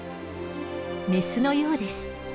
メスのようです。